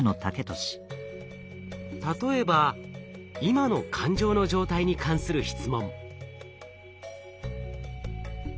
例えば今の感情の状態に関する質問。